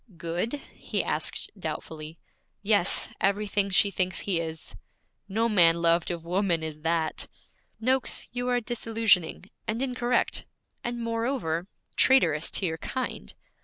'Good?' he asked doubtfully. 'Yes, everything she thinks he is.' 'No man loved of woman is that.' 'Noakes, you are disillusioning, and incorrect, and moreover traitorous to your kind.'